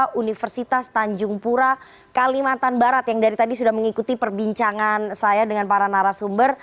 kepala universitas tanjung pura kalimantan barat yang dari tadi sudah mengikuti perbincangan saya dengan para narasumber